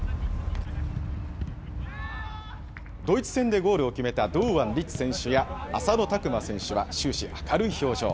ドイツ戦でゴールを決めた堂安律選手や浅野拓磨選手は、終始、明るい表情。